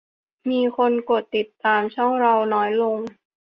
มีคนกดติดตามช่องเราน้อยลง